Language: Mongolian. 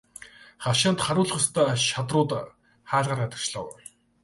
Хашаанд харуулдах ёстой шадрууд хаалгаар гадагшлав.